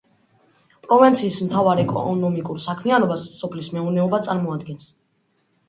პროვინციის მთავარ ეკონომიკურ საქმიანობას სოფლის მეურნეობა წარმოადგენს.